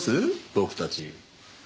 僕たち。